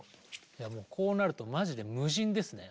いやもうこうなるとマジで無人ですね。